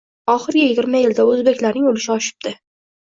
Oxirgi yigirma yilda o‘zbeklarning ulushi oshibdi.